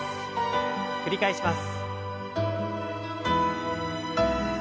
繰り返します。